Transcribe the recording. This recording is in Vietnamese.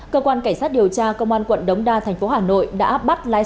cơ quan cảnh sát điều tra công an quận đống đa tp hà nội đã bắt lái xe